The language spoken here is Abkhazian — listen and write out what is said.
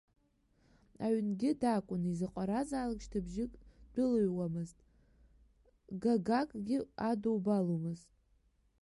Аҩнгьы дагәан изаҟаразаалак шьҭыбжьык дәылҩуамызт, гагакгьы адубаломызт.